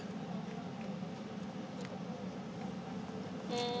うん。